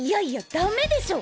ダメでしょ